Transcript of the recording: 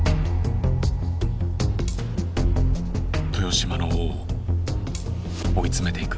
豊島の王を追い詰めていく。